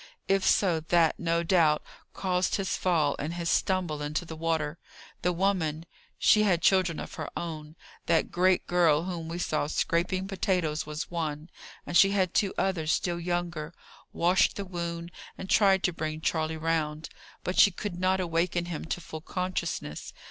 If so, that, no doubt, caused his fall and his stumble into the water. The woman she had children of her own: that great girl whom you saw scraping potatoes was one, and she had two others still younger washed the wound, and tried to bring Charley round. But she could not awaken him to full consciousness.